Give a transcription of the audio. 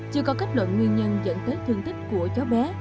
chưa có kết luận nguyên nhân dẫn tới thương tích của cháu bé